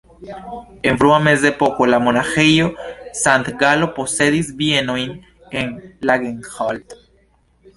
En frua mezepoko la Monaĥejo Sankt-Galo posedis bienojn en Langenthal.